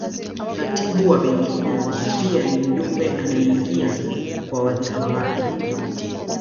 Katibu wa Benki Kuu pia ni mjumbe anayeingia kwa wadhifa wake